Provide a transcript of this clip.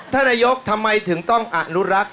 ท่านนายกทำไมถึงต้องอนุรักษ์